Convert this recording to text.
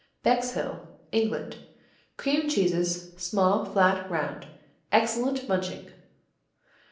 Bexhill England Cream cheeses, small, flat, round. Excellent munching.